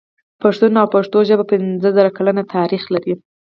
پښتون او پښتو ژبه پنځه زره کلن تاريخ لري.